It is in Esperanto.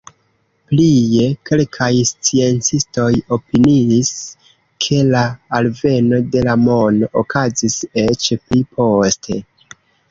Plie, kelkaj sciencistoj opiniis, ke la alveno de la mono okazis eĉ pli poste.